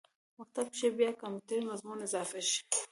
مکتب کښې باید کمپیوټر مضمون اضافه شي